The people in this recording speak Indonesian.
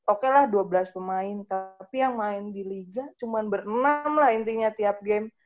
oke lah dua belas pemain tapi yang main di liga cuma berenam lah intinya tiap game